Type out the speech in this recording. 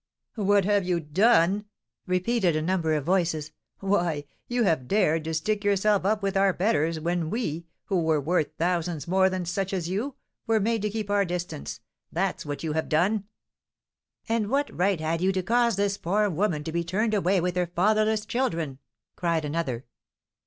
"What have you done?" repeated a number of voices, "why, you have dared to stick yourself up with our betters, when we, who were worth thousands more than such as you, were made to keep our distance, that's what you have done!" "And what right had you to cause this poor woman to be turned away with her fatherless children?" cried another.